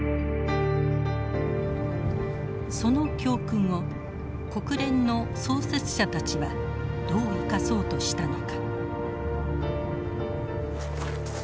その教訓を国連の創設者たちはどう生かそうとしたのか。